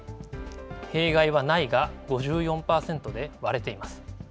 弊害はないが５４％で、割れています。